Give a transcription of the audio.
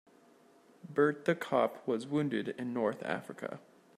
Bert the cop was wounded in North Africa.